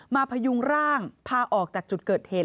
พยุงร่างพาออกจากจุดเกิดเหตุ